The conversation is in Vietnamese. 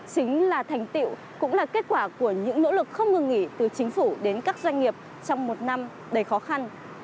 chính là thành tiệu cũng là kết quả của những nỗ lực không ngừng nghỉ từ chính phủ đến các doanh nghiệp trong một năm đầy khó khăn